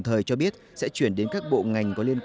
thế rồi dây dẫn điện rất là nhiều